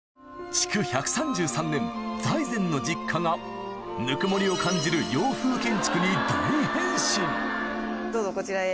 築１３３年財前の実家がぬくもりを感じる洋風建築に大変身どうぞこちらへ。